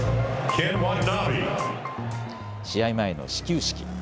試合前の始球式。